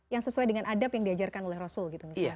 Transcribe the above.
yang sesuai dengan adab yang diajarkan oleh rasul